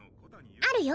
あるよ